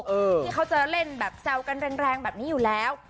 ที่เขาจะเล่นแบบแซวกันแรงแบบนี้อยู่แล้ว